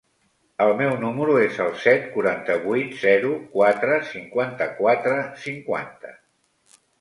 El meu número es el set, quaranta-vuit, zero, quatre, cinquanta-quatre, cinquanta.